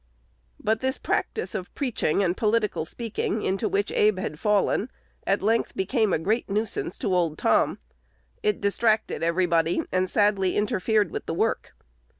But this practice of "preaching" and political speaking, into which Abe had fallen, at length became a great nuisance to old, Tom. It distracted everybody, and sadly interfered with the work.